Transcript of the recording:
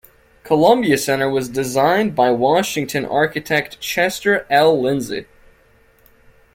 Columbia Center was designed by Washington architect Chester L. Lindsey.